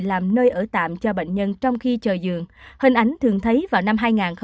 làm nơi ở tạm cho bệnh nhân trong khi chờ giường hình ảnh thường thấy vào năm hai nghìn một mươi